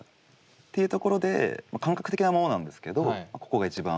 っていうところで感覚的なものなんですけどここが一番。